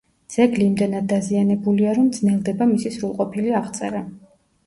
ძეგლი იმდენად დაზიანებულია, რომ ძნელდება მისი სრულყოფილი აღწერა.